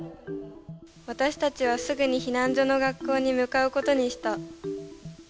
私たちはすぐに避難所の学校に向かうことにした。